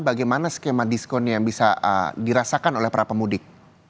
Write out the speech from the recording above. bagaimana skema diskonnya yang bisa dirasakan oleh para pemudik